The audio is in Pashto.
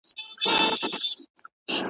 د زلمي ساقي له لاسه جام پر مځکه پرېوتلی ,